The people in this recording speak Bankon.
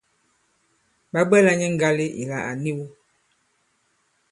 Ɓa bwɛla nyɛ ŋgale ìla à niw.